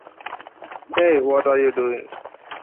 It survived for ages side by side with its modern rival.